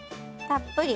たっぷり。